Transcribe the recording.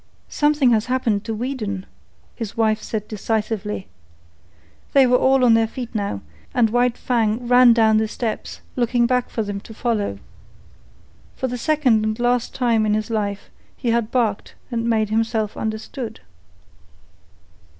"Something has happened to Weedon," his wife said decisively. They were all on their feet now, and White Fang ran down the steps, looking back for them to follow. For the second and last time in his life he had barked and made himself understood.